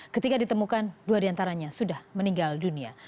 ketika ditemukan dua diantaranya sudah meninggal dunia